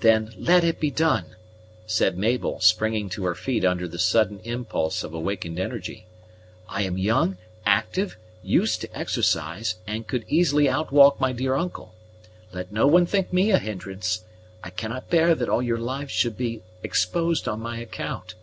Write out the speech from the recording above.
"Then let it be done," said Mabel, springing to her feet under the sudden impulse of awakened energy. "I am young, active, used to exercise, and could easily out walk my dear uncle. Let no one think me a hindrance. I cannot bear that all your lives should be exposed on my account."